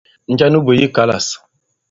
Njɛ nu bwě àyì kalâs ?